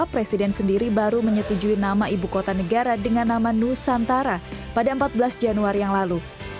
presiden sendiri baru menyetujui nama ibu kota negara dengan nama nusantara pada empat belas januari yang lalu